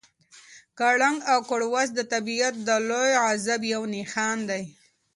کړنګ او کړوس د طبیعت د لوی غضب یو نښان دی.